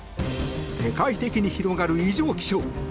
世界的に広がる異常気象。